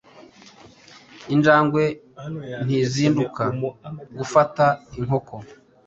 Injangwe ntizikunda gufata Inkoko